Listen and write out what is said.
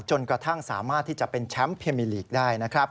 จนกระทั่งสามารถที่จะเป็นแชมป์เพมิลีกได้นะครับ